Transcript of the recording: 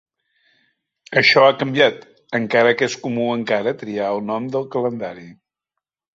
Això ha canviat, encara que és comú encara triar el nom del calendari.